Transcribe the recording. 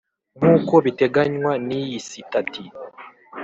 nkuko biteganywa n iyi Sitati